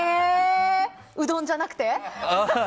うどんじゃなくて？